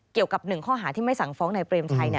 เกี่ยวกับ๑ข้อหาที่ไม่สั่งฟ้องนายเปรมชัย